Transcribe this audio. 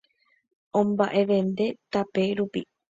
Omba'evende tape rupi